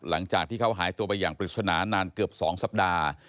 หลังจากที่เขาหายตัวไปอย่างปริศนานานเกือบ๒สัปดาห์